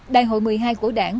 đại hội một mươi hai của đảng